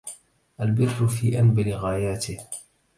البر في أنبل غاياته